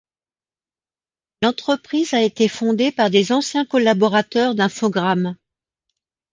L'entreprise a été fondé par des anciens collaborateurs d'Infogrames.